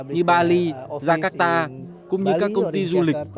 như bali jakarta cũng như các công ty du lịch